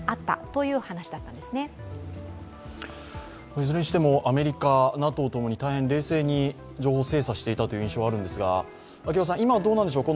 いずれにしてもアメリカ、ＮＡＴＯともに大変冷静に情報を精査していた印象があるんですが、今、どうなんでしょう